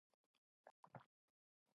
学校の帰り道で猫を拾った。